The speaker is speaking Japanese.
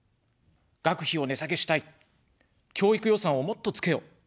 「学費を値下げしたい」、「教育予算をもっとつけよ」。